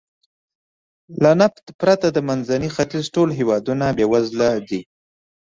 له نفت پرته د منځني ختیځ ټول هېوادونه بېوزله دي.